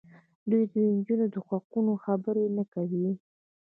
دوی د نجونو د حقونو خبرې نه کوي.